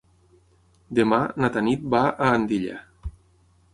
Demà na Tanit va a Andilla.